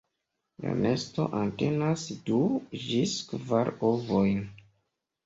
La nesto entenas du ĝis kvar ovojn.